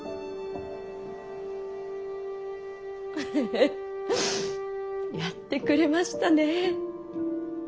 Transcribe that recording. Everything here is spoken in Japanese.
フフフやってくれましたね。